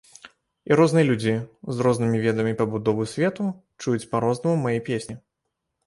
І розныя людзі з рознымі ведамі пабудовы свету чуюць па-рознаму мае песні.